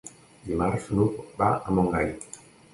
Dimarts n'Hug va a Montgai.